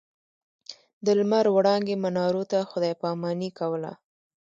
د لمر وړانګې منارو ته خداې پا ماني کوله.